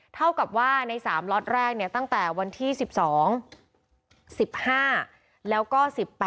เท่ากับว่าใน๓ล็อตแรกตั้งแต่วันที่๑๒๑๕แล้วก็๑๘